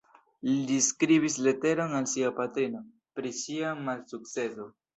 Li skribis leteron al sia patrino, pri sia malsukceso.